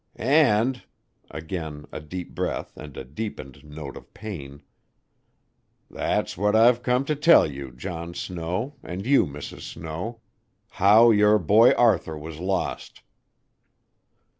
"And" again a deep breath and a deepened note of pain "that's what I've come to tell you, John Snow, and you, Mrs. Snow how your boy Arthur was lost."